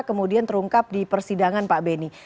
kemudian terungkap di persidangan pak beni